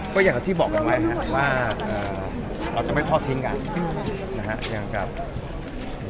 ก็อย่างที่บอกกันไว้ว่าเราจะไม่ทอดทิ้งกันนะฮะ